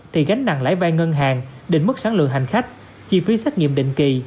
thì gánh nặng lãi vai ngân hàng định mức sáng lượng hành khách chi phí xét nghiệm định kỳ